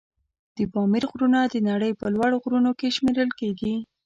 د پامیر غرونه د نړۍ په لوړ غرونو کې شمېرل کېږي.